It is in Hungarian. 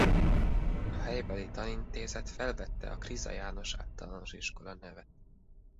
A helybeli tanintézet felvette a Kriza János Általános Iskola nevet.